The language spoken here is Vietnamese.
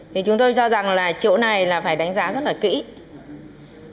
thì chúng tôi cho rằng là chỗ này là phải đánh giá rất là kỹ